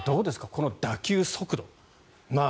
この打球速度。